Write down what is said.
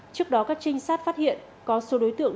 trước đó các trinh sát phát hiện có số đối tượng